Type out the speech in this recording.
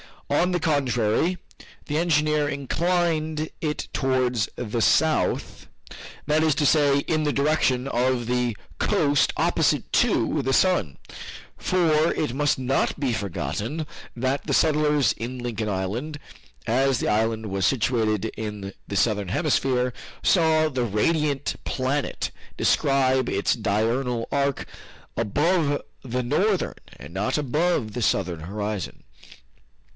On the contrary, the engineer inclined it towards the south, that is to say, in the direction of the coast opposite to the sun, for it must not be forgotten that the settlers in Lincoln Island, as the island was situated in the Southern Hemisphere, saw the radiant planet describe its diurnal arc above the northern, and not above the southern horizon.